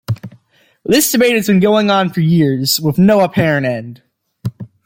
This debate has been going on for years, with no apparent end.